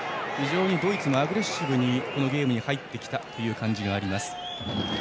ドイツもアグレッシブにゲームに入ってきた感じがあります。